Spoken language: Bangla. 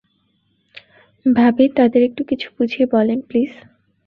ভাবি তাদের একটু কিছু বুঝিয়ে বলেন, প্লিজ।